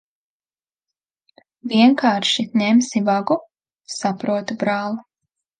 Vienkārši ņemsi vagu? Saprotu, brāl'.